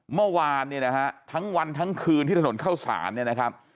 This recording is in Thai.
เมื่อวานทั้งวันทั้งคืนที่ถนนเข้าสาร